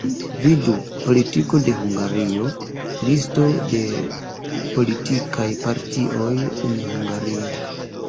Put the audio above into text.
Vidu: Politiko de Hungario, Listo de politikaj partioj en Hungario.